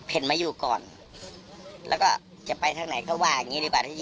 เห็นมาอยู่ก่อนแล้วก็จะไปทางไหนเขาว่าอย่างนี้ดีกว่า